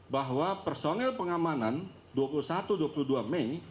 bahwa personil pengamanan dua puluh satu dua puluh dua mei